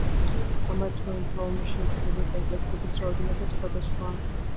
ამა თუ იმ ფაუნის შემცველი კომპლექსების რაოდენობა სხვადასხვაა.